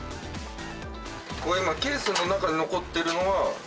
今ケースの中に残ってるのは。